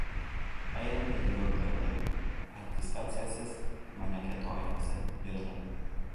Ayrim pedagoglarga attestasiyasiz malaka toifasi beriladi